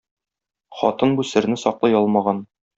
Хатын бу серне саклый алмаган.